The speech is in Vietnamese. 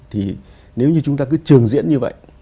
thì nếu như chúng ta cứ trường diễn như vậy